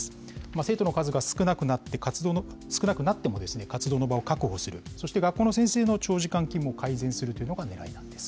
生徒の数が少なくなって、活動の場が少なくなっても、活動の場を確保する、そして学校の先生の長時間勤務を改善するというのがねらいなんです。